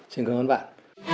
xin cảm ơn bạn